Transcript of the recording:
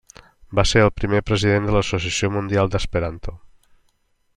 Va ser el primer president de l'Associació Mundial d'Esperanto.